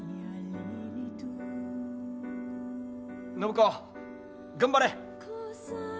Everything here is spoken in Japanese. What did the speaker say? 暢子頑張れ！